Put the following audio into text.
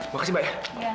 makasih mbak ya